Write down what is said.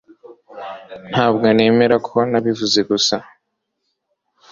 Ntabwo nemera ko nabivuze gusa